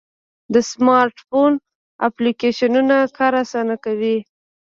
د سمارټ فون اپلیکیشنونه کار آسانه کوي.